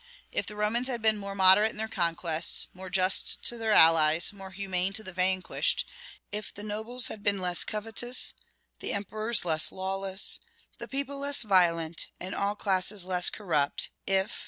If the Romans had been more moderate in their conquests, more just to their allies, more humane to the vanquished; if the nobles had been less covetous, the emperors less lawless, the people less violent, and all classes less corrupt; if...